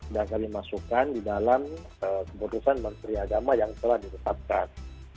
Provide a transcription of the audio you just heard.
dan kami masukkan di dalam keputusan menteri agama yang telah diletakkan